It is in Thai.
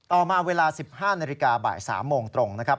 มาเวลา๑๕นาฬิกาบ่าย๓โมงตรงนะครับ